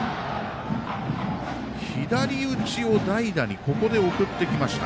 左打ちを代打にここで送ってきました。